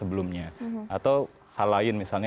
meningkatnya partisipasi pemilih dibanding pemilu sebelumnya